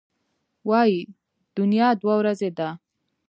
وايي دنیا دوه ورځې ده.